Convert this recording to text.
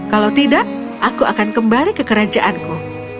kalau tidak aku akan kembali ke kerajaanku